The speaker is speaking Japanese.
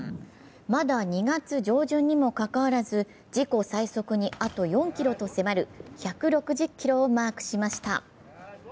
まだ２月上旬にもかかわらず自己最速にあと４キロと迫る１６０キロをマークしました。